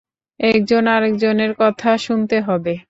একজন আরেকজনের কথা শুনতে হবে!